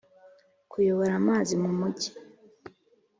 kuyobora amazi mu mujyi.